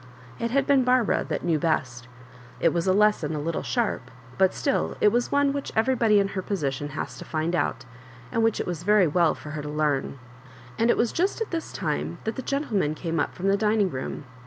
It had been Barbara that knew best. It was a lesson a little sharp, but still it was one which every body in her position has to find out, and which it was very well for her to learn. And it was just at this time that the gentle men came up from the dining room.